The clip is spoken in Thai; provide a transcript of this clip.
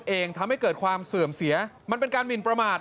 เองทำให้เกิดความเสื่อมเสียมันเป็นการหมินประมาท